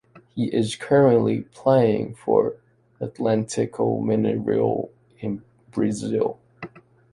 He is currently playing for Atletico Mineiro in Brazil.